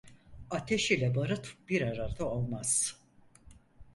Ateş ile barut bir arada olmaz.